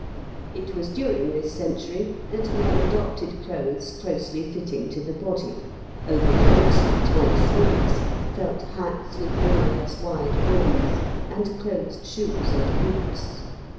It was during this century that men adopted clothes closely fitting to the body; overcoats with tight sleeves, felt hats with more or less wide brims, and closed shoes and boots.